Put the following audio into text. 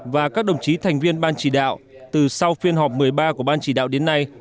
và các đồng chí thành viên ban chỉ đạo từ sau phiên họp một mươi ba của ban chỉ đạo đến nay